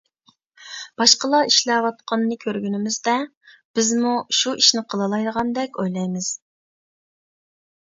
باشقىلار ئىشلەۋاتقىنىنى كۆرگىنىمىزدە، بىزمۇ شۇ ئىشنى قىلالايدىغاندەك ئويلايمىز.